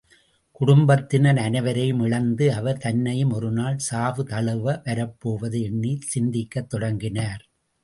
குடும்பத்தினர் அனைவரையும் இழந்த அவர், தன்னையும் ஒருநாள் சாவு தழுவ வரப்போவதை எண்ணி சிந்திக்கத் தொடங்கினார்.